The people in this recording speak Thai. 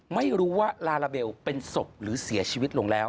ไม่รู้ว่าลาลาเบลเป็นศพหรือเสียชีวิตลงแล้ว